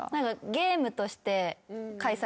ゲームとして開催。